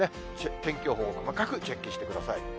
天気予報を細かくチェックしてください。